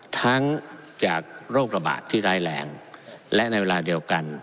ทั้งจากโรคระบาดที่ร้ายแรงและในเวลาเดียวกัน